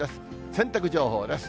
洗濯情報です。